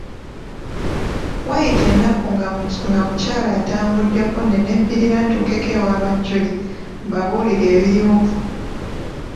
Waayita ennaku nga mukyala atambuddeko ne nebbirira ntuukeko ewa ba Julie mbabuulire ebiriwo.